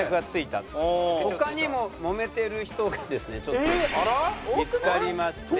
他にももめてる人がですねちょっと見付かりまして。